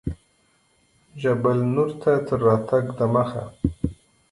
جبل النور ته تر راتګ دمخه.